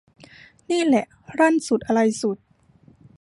นี่แหละ ลั่นสุดอะไรสุด